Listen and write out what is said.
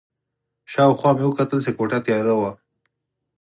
شا او خوا مې وکتل چې کوټه تیاره وه.